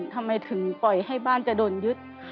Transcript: ทำไมถึงปล่อยให้บ้านจะโดนยึด